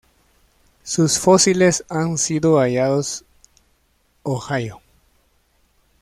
Sus fósiles han sido hallados Ohio.